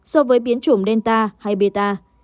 so với biến chủng delta hay beta